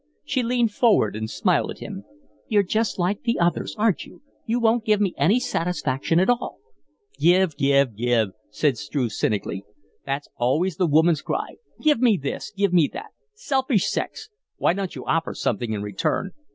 She leaned forward and smiled at him. "You're just like the others, aren't you? You won't give me any satisfaction at all." "Give, give, give," said Struve, cynically. "That's always the woman's cry. Give me this give me that. Selfish sex! Why don't you offer something in return?